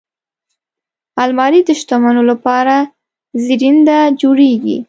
الماري د شتمنو لپاره زرینده جوړیږي